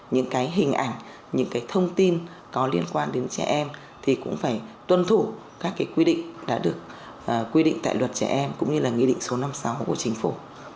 những cái hình ảnh những cái thông tin có liên quan đến trẻ em thì cũng phải tuân thủ các quy định đã được quy định tại luật trẻ em cũng như là nghị định số năm mươi sáu của chính phủ